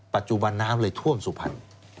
ปัจจุบันน้ำเลยท่วมสุพรรณ